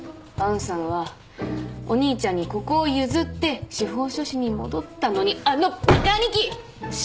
萬さんはお兄ちゃんにここを譲って司法書士に戻ったのにあの馬鹿兄貴！